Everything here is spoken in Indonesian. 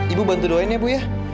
ibu bantu doain ya bu ya